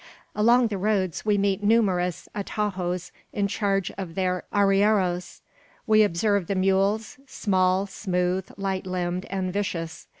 Along the roads we meet numerous atajos, in charge of their arrieros. We observe the mules, small, smooth, light limbed, and vicious.